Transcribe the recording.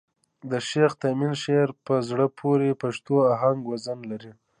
د شېخ تیمن شعر په زړه پوري پښتو آهنګ وزن لري.